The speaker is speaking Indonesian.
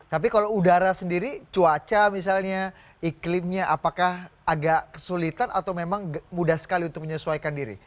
tapi kalau udara sendiri cuaca misalnya iklimnya apakah agak kesulitan atau memang mudah sekali untuk menyesuaikan diri